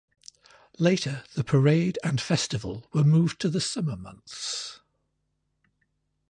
Later, the parade and festival were moved to the summer months.